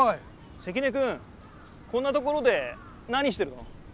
セキネくんこんなところで何してるの？